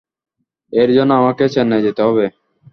এর জন্য আমাকে চেন্নাই যেতে হবে।